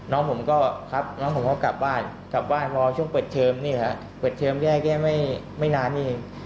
น้องผมก็ครับน้องผมก็กลับบ้านกลับบ้านรอช่วงเปิดเทอมนี่ครับเปิดเทอมได้แค่ไม่นานนี่เอง